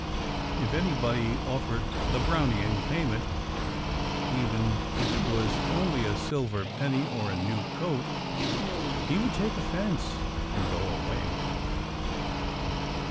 If anybody offered the Brownie any payment, even if it was only a silver penny or a new coat, he would take offence and go away.